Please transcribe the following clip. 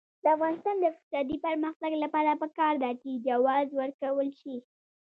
د افغانستان د اقتصادي پرمختګ لپاره پکار ده چې جواز ورکول شي.